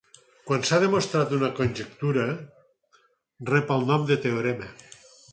Quan s'ha demostrat una conjectura rep el nom de teorema.